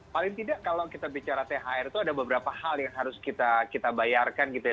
paling tidak kalau kita bicara thr itu ada beberapa hal yang harus kita bayarkan gitu ya